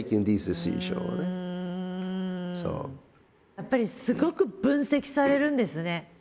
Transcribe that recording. やっぱりすごく分析されるんですね。